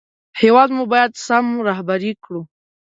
هېواد مو باید سم رهبري کړو